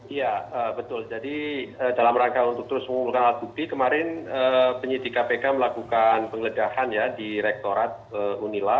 iya betul jadi dalam rangka untuk terus mengumpulkan alat bukti kemarin penyidik kpk melakukan penggeledahan ya di rektorat unila